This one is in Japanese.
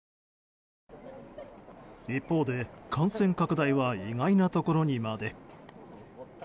一方で感染拡大は意外なところにまで。